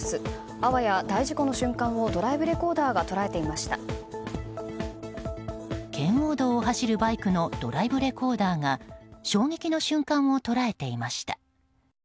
あわや大事故の瞬間をドライブレコーダーが圏央道を走るバイクのドライブレコーダーが衝撃の瞬間を捉えていました。